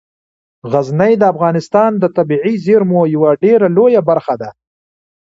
غزني د افغانستان د طبیعي زیرمو یوه ډیره لویه برخه ده.